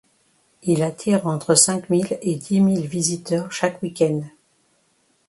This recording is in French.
Il attire entre cinq mille et dix mille visiteurs chaque week-end.